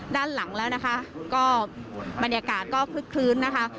ด้านหลังแล้วนะคะก็บรรยากาศก็คลึกคลื้นนะคะ